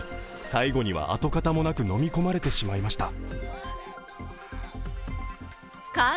最後には跡形もなく飲み込まれてしまいました。